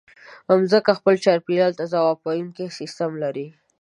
مځکه خپل چاپېریال ته ځواب ویونکی سیستم لري.